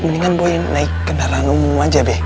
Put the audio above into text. mendingan boy naik kendaraan umum aja deh